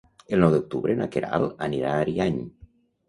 El nou d'octubre na Queralt anirà a Ariany.